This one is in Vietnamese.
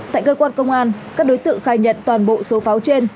tại cơ quan công an các đối tượng khai nhận toàn bộ số pháo trên